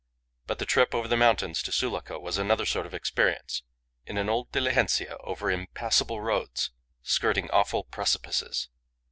But the trip over the mountains to Sulaco was another sort of experience, in an old diligencia over impassable roads skirting awful precipices.